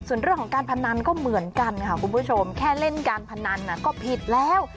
ส่วนเรื่องของการพนันก็เหมือนกันค่ะคุณผู้ชมแค่เล่นการพนันก็ผิดแล้ว